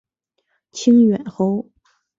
清远侯。